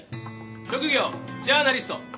職業ジャーナリスト。